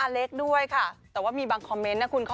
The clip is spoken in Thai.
อเล็กซ์ด้วยค่ะแต่ว่ามีบางคอมเม้นท์